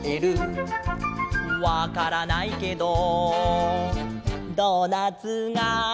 「わからないけどドーナツが」